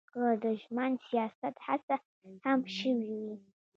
که د ژمن سیاست هڅه هم شوې وي.